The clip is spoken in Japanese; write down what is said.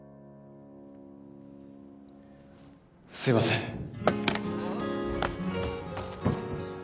すいません。